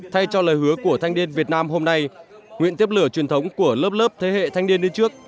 thay cho lời hứa của thanh niên việt nam hôm nay nguyện tiếp lửa truyền thống của lớp lớp thế hệ thanh niên đi trước